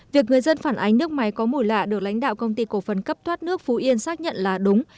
việc người dân phản ánh nước máy có mùi lạ được lãnh đạo công ty cổ phần cấp thoát nước phú yên xác nhận là đúng